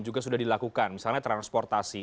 juga sudah dilakukan misalnya transportasi